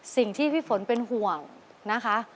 สิ่งที่พี่ฝนเป็นห่วงนะคะ